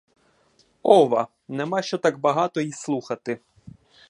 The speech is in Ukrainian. Овва, нема що так багато й слухати.